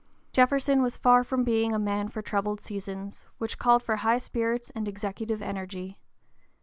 Jefferson was far from being a man for troubled seasons, which called for high spirit and executive energy.